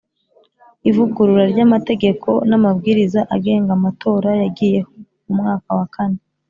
ivugurura ry amategeko n amabwiriza agenga amatora yagiyeho mu mwaka wa kane